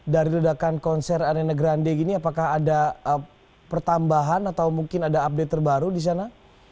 dari ledakan konser arena grande gini apakah ada pertambahan atau mungkin ada update terbaru di sana